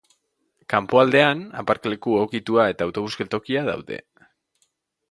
Kanpoaldean, aparkaleku egokitua eta autobus geltokia daude.